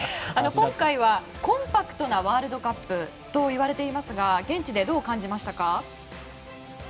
今回はコンパクトなワールドカップといわれていますが現地でどう感じていますか？